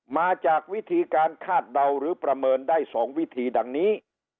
มาจากวิธีการคาดเดาหรือประเมินได้๒วิธีดังนี้